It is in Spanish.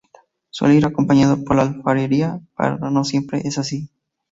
Suele ir acompañado por la alfarería, pero no siempre es así.